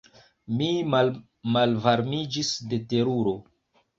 Mi malvarmiĝis de teruro.